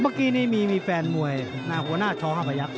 เมื่อกี้นี้มีแฟนมวยหัวหน้าช้อ๕พยักษ